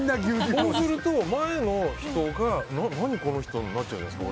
そうすると前の人が何この人？になっちゃうじゃないですか。